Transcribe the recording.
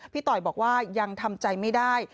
ต่อยบอกว่ายังทำใจไม่ได้